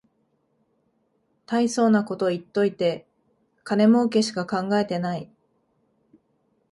たいそうなこと言っといて金もうけしか考えてない